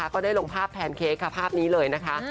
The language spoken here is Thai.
ก็ได้ลงภาพแพนเค้กค่ะภาพนี้เลยนะคะ